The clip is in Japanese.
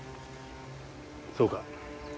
そうか。